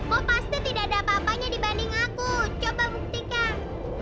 oh pasti tidak ada apa apanya dibanding aku coba buktikan